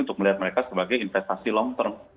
dari mereka sebagai investasi long term